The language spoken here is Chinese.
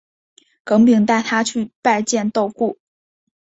耿秉带他去拜见窦固。